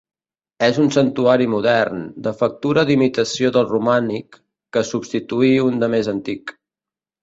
És un santuari modern, de factura d'imitació del romànic, que substituí un de més antic.